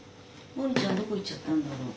ボニーちゃんどこ行っちゃったんだろう。